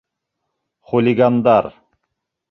Хулигандар!